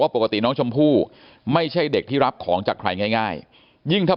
ปกติน้องชมพู่ไม่ใช่เด็กที่รับของจากใครง่ายยิ่งถ้า